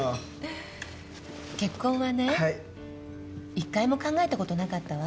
一回も考えたことなかったわ。